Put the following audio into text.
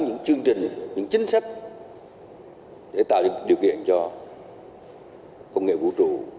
những chương trình những chính sách để tạo được điều kiện cho công nghệ vũ trụ